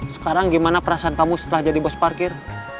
sekarang gimana perasaan kamu setelah jadi bos parkir